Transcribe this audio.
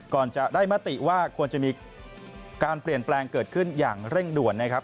ก่อนจะได้มติว่าควรจะมีการเปลี่ยนแปลงเกิดขึ้นอย่างเร่งด่วนนะครับ